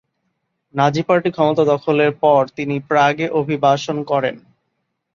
নাজি party ক্ষমতা দখলের পর তিনি প্রাগে অভিবাসন করেন।